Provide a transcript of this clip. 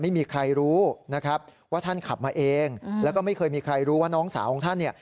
ไม่มีใครรู้นะครับว่าท่านขับมาเองแล้วก็ไม่เคยมีใครรู้ว่าน้องสาวของท่านเนี่ย